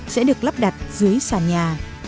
sẽ được lắp đặt dưới sàn nhà